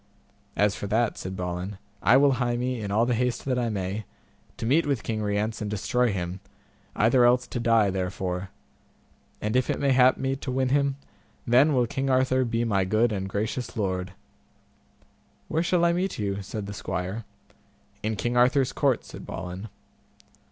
As for that, said Balin, I will hie me, in all the haste that I may, to meet with King Rience and destroy him, either else to die therefore; and if it may hap me to win him, then will King Arthur be my good and gracious lord. Where shall I meet with you? said the squire. In King Arthur's court, said Balin.